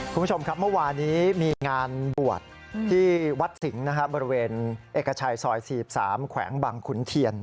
คุณผู้ชมครับเมื่อวานี้มีงานบวชที่วัดสิงห์นะครับบริเวณเอกชัยซอย๔๓แขวงบังขุนเทียน